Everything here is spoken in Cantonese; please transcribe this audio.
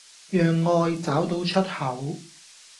讓愛找到出口